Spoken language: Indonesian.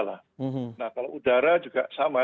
nah kalau udara juga sama